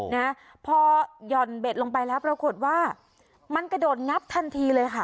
นะพอหย่อนเบ็ดลงไปแล้วปรากฏว่ามันกระโดดงับทันทีเลยค่ะ